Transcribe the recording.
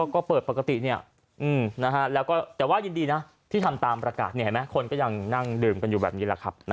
ก็เปิดปกติแล้วก็แต่ว่ายินดีนะที่ทำตามประกาศคนก็ยังนั่งดื่มกันอยู่แบบนี้แหละครับ